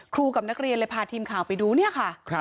ครูกับนักเรียนไปพาทีมข่าวไปดูค่ะ